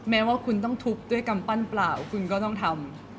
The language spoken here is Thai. แม้ว่าคุณต้องทุบด้วยกำปั้นเปล่าคุณก็ต้องทำ